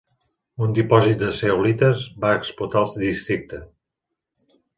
Un dipòsit de zeolites va explotar al districte.